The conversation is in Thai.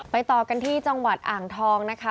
ต่อกันที่จังหวัดอ่างทองนะคะ